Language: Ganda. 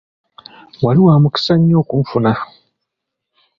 Wali wa mukisa nnyo okunfuna.